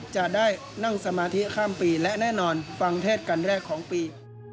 จะได้นั่งสมาธิข้ามปีและแน่นอนฟังเทศกันแรกของปี